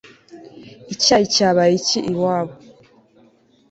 Icyayi cyabaye iki iwabo